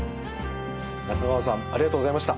中川さんありがとうございました。